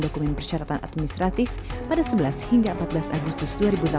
dokumen persyaratan administratif pada sebelas hingga empat belas agustus dua ribu delapan belas